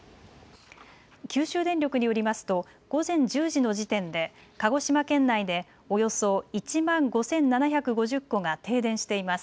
九州電力によりますと午前１０時の時点で鹿児島県内でおよそ１万５７５０戸が停電しています。